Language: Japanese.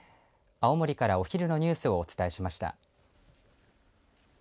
青森からお昼のニュースをお伝えしました。